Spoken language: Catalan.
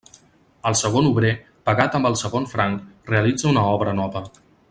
El segon obrer, pagat amb el segon franc, realitza una obra nova.